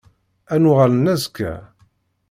Ad n-uɣalen azekka?